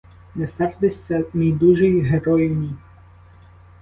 Не сердишся, мій дужий, герою мій?